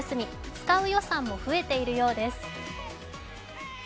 使う予算も増えているようです。